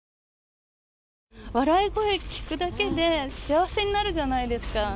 笑い声聞くだけで幸せになるじゃないですか。